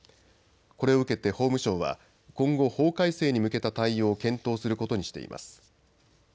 これを受けて法務省は今後、法改正に向けた対応を検討することにしています。